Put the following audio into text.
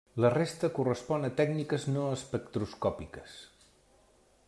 La resta correspon a tècniques no espectroscòpiques.